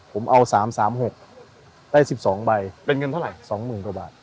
ผมเอาสามสามหกได้สิบสองใบเป็นเงินเท่าไรสองหมื่นกว่าบาท